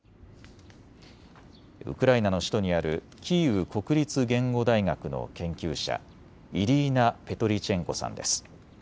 ウクライナの首都にあるキーウ国立言語大学の研究者、イリーナ・ペトリチェンコさんです。